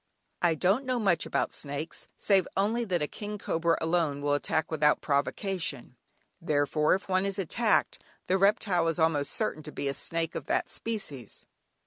I don't know much about snakes, save only that a "king cobra" alone will attack without provocation; therefore, if one is attacked, the reptile is almost certain to be a snake of that species.